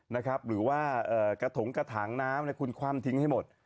นะครับหรือว่าเอ่อกระถงกระถางน้ำคุณความทิ้งให้หมด